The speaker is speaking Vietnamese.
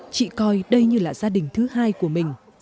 chị coi đây như là gia đình thứ hai của mình